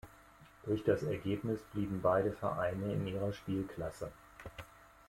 Durch das Ergebnis blieben beide Vereine in ihrer Spielklasse.